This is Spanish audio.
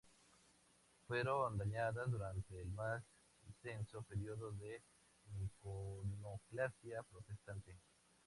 Fueron dañadas durante el más intenso período de iconoclasia protestante.